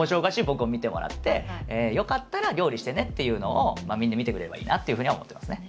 僕を見てもらってよかったら料理してねっていうのをみんな見てくれればいいなっていうふうには思ってますね。